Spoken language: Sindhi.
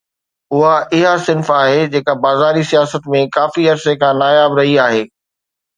اها اها صنف آهي جيڪا بازاري سياست ۾ ڪافي عرصي کان ناياب رهي آهي.